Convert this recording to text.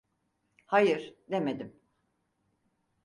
Hayır, demedim.